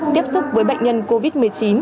tiếp xúc với bệnh nhân covid một mươi chín